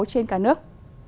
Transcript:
trên cả nước